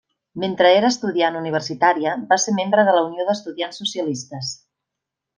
Mentre era estudiant universitària, va ser membre de la unió d'estudiants socialistes.